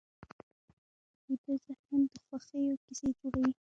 ویده ذهن د خوښیو کیسې جوړوي